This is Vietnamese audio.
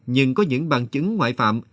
nhưng có những bằng chứng ngoại phạm